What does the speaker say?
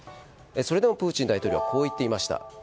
それでもプーチン大統領はこう言っていました。